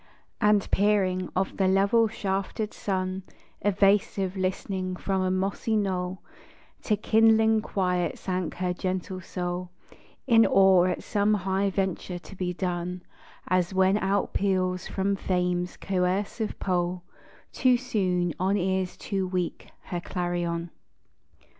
And peering, of the level shafted sun Evasive, listening from a mossy knoll, To kindling quiet sank her gentle soul, In awe at some high venture to be done, As when outpeals from Fame's coercive pole, Too soon, on ears too weak, her clarion.